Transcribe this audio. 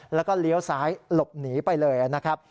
แล้วก็เลี้ยวซ้ายหลบหนีไปเลยนะครับ